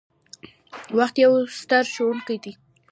• وخت یو ستر ښوونکی دی.